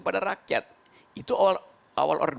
jadi kita harus mengingatkan kepadanya